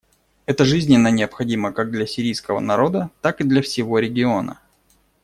Это жизненно необходимо как для сирийского народа, так и для всего региона.